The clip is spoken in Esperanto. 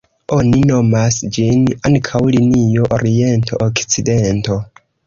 Oni nomas ĝin ankaŭ linio oriento-okcidento.